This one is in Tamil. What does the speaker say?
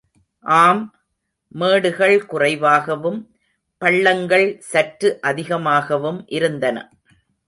ஆம், மேடுகள் குறைவாகவும், பள்ளங்கள் சற்று அதிகமாகவும் இருந்தன.